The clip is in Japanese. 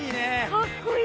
かっこいい船。